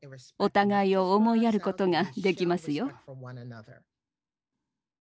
お互いを思いやることができますよ。